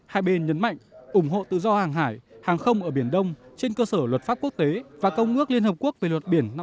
hai bên nhấn mạnh ủng hộ tự do hàng hải hàng không ở biển đông trên cơ sở luật pháp quốc tế và công ước liên hợp quốc về luật biển năm một nghìn chín trăm tám mươi hai